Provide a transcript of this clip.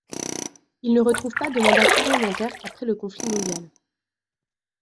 Il ne retrouve pas de mandat parlementaire après le conflit mondial.